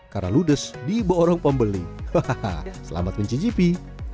karena ludes di borong pembeli hahaha selamat mencicipi